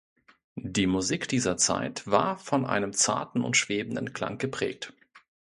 Die Musik dieser Zeit war von einem zarten und schwebenden Klang geprägt.